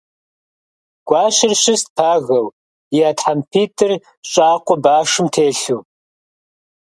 Гуащэр щыст пагэу, и Ӏэ тхьэмпитӀыр щӀакъуэ башым телъу.